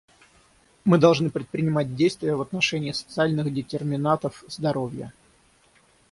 Мы должны предпринимать действия в отношении социальных детерминантов здоровья.